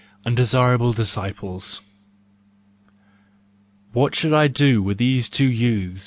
Undesirable Disciples .—What shall I do with these two youths!